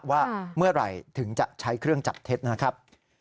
ว่าเมื่อไหร่ถึงจะใช้เครื่องจับเท็จนะครับ